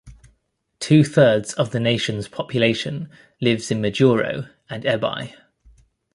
Two-thirds of the nation's population lives in Majuro and Ebeye.